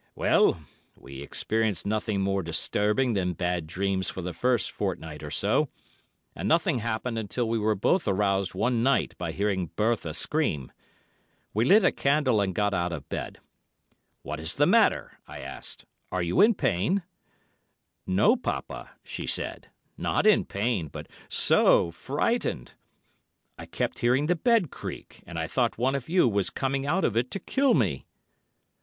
"Well, we experienced nothing more disturbing than bad dreams for the first fortnight or so, and nothing happened until we were both aroused one night by hearing Bertha scream. We lit a candle and got out of bed. 'What is the matter,' I asked; 'are you in pain?' 'No, Poppa,' she said. 'Not in pain, but so frightened. I kept hearing the bed creak, and I thought one of you was coming out of it to kill me.